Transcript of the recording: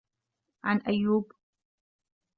عَنْ أَيُّوبَ